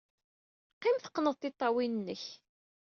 Qqim, teqqned tiṭṭawin-nnek.